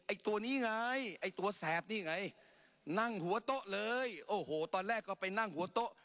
ตัวนี้ไงไอ้ตัวแสบนี่ไงนั่งหัวโต๊ะเลยโอ้โหตอนแรกก็ไปนั่งหัวโต๊ะ